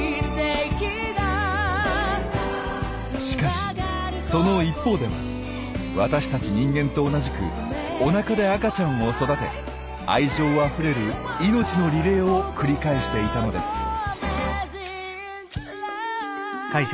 しかしその一方では私たち人間と同じくおなかで赤ちゃんを育て愛情あふれる命のリレーを繰り返していたのです。